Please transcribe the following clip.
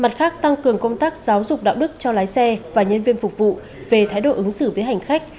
mặt khác tăng cường công tác giáo dục đạo đức cho lái xe và nhân viên phục vụ về thái độ ứng xử với hành khách